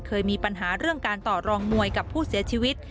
เคยมีปัญหาเรื่องการต่อรองมวยกับผู้เสียชีวิต